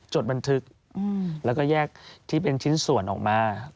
จดบันทึกแล้วก็แยกที่เป็นชิ้นส่วนออกมา